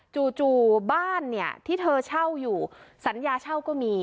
จู่บ้านเนี่ยที่เธอเช่าอยู่สัญญาเช่าก็มี